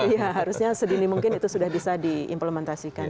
ya harusnya sedini mungkin itu sudah bisa diimplementasikan